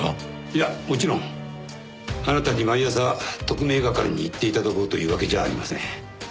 いやもちろんあなたに毎朝特命係に行って頂こうというわけじゃありません。